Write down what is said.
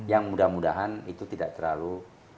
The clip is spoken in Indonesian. yang mudah mudahan itu tidak terlalu